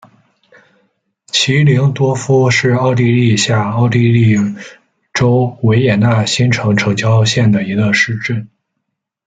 齐灵多夫是奥地利下奥地利州维也纳新城城郊县的一个市镇。